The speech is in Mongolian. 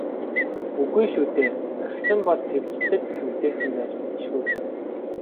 "Үгүй шүү дээ, орхисон бол Сэвжидэд л үлдээсэн байж мэдэшгүй" гэв.